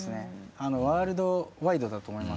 ワールドワイドだと思います。